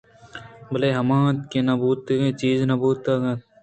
بلئے ہما اِنت کہ نہ بوتگیں چیز نہ بوتگیں اَنت